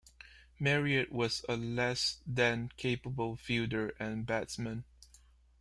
Marriott was a less than capable fielder and batsman.